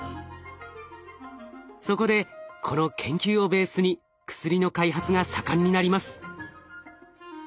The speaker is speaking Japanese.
そこでこの研究をベースに薬の開発が盛んになります。